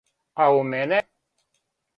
А у мене?